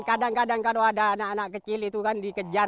kadang kadang kalau ada anak anak kecil itu kan dikejar